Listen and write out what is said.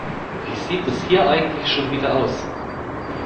Wie sieht es hier eigentlich schon wieder aus?